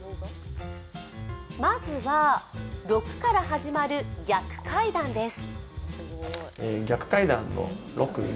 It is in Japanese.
まずは６から始まる逆階段です。